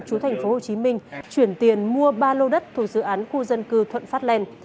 chú thành phố hồ chí minh chuyển tiền mua ba lô đất thuộc dự án khu dân cư thuận phát len